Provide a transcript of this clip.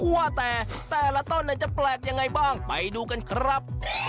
ว่าแต่แต่ละต้นจะแปลกยังไงบ้างไปดูกันครับ